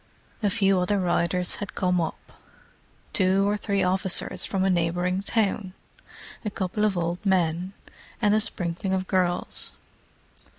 A few other riders had come up: two or three officers from a neighbouring town; a couple of old men, and a sprinkling of girls.